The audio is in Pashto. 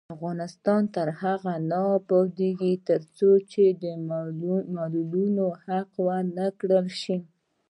افغانستان تر هغو نه ابادیږي، ترڅو د معلولینو حقونه ورکړل نشي.